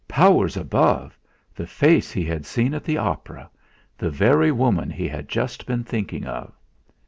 Powers above! The face he had seen at the opera the very woman he had just been thinking of!